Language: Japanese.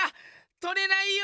とれないよ！